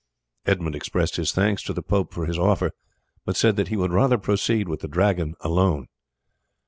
Edmund expressed his thanks to the pope for his offer, but said that he would rather proceed with the Dragon alone.